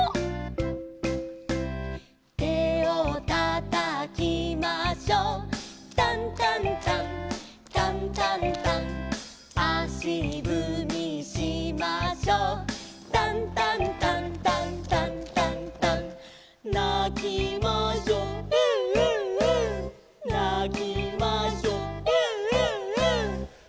「手を叩きましょう」「タンタンタンタンタンタン」「足ぶみしましょう」「タンタンタンタンタンタンタン」「なきましょうエンエンエン」「なきましょうエンエンエン」